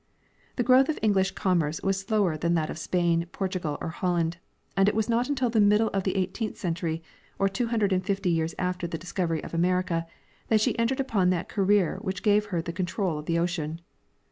The growth of English commerce was slower than that of Spain, Portugal or Holland, and it was not until the middle of the eighteenth century, or two hundred and fifty years after the discovery of America, that she entered upon that career which gave her the control of the ocean.